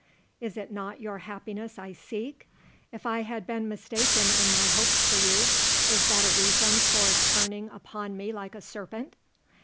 Is it not your happiness I seek? If I have been mistaken in my hopes for you, is that a reason for turning upon me like a serpent!"